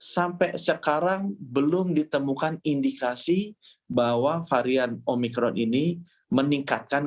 sampai sekarang belum ditemukan indikasi bahwa varian omikron ini meningkatkan